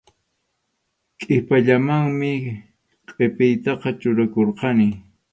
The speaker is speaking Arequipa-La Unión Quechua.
Qhipallamanmi qʼipiytaqa churakurqani.